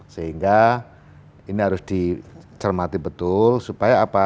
sehingga ini harus dicermati betul supaya apa